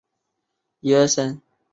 刺史尹耀逮捕了强盗。